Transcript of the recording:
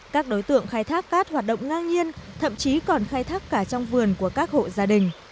các đối tượng khai thác cát hoạt động ngang nhiên thậm chí còn khai thác cả trong vườn của các hộ gia đình